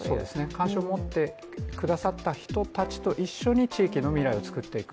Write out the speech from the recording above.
関心を持ってくださった人たちと一緒に地域の未来をつくっていく。